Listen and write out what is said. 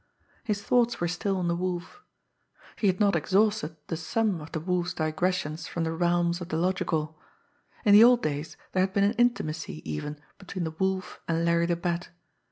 His thoughts were still on the Wolf. He had not exhausted the sum of the Wolf's digressions from the realms of the logical! In the old days there had been an intimacy even between the Wolf and Larry the Bat.